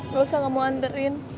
gak usah kamu anterin